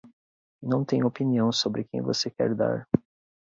Não tenho opinião sobre quem você quer dar.